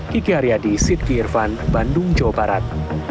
kiki haryadi sidky irvan bandung jawa barat